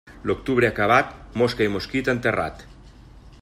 L'octubre acabat, mosca i mosquit enterrat.